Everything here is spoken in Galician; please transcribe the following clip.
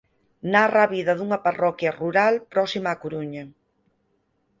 Narra a vida dunha parroquia rural próxima á Coruña.